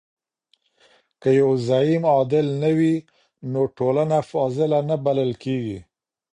که يو زعيم عادل نه وي نو ټولنه فاضله نه بلل کيږي.